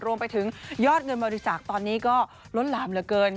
รวมไปถึงยอดเงินบริจาคตอนนี้ก็ล้นหลามเหลือเกิน